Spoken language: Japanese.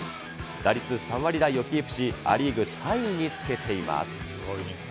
打率３割台をキープし、ア・リーグ３位につけています。